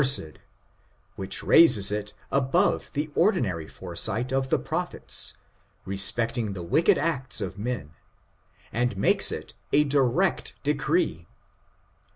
9ed," which raises it above the ordinary foresight of the prophets, respecting the wicked acts of men, and makes it a direct decree.